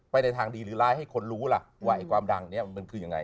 ในทางดีหรือร้ายให้คนรู้ล่ะว่าความดังนี้มันคือยังไง